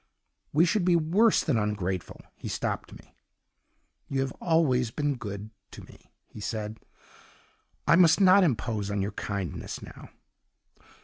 We should be worse than ungrateful ' He stopped me. 'You have always been good to me,' he said. 'I must not impose on your kindness now.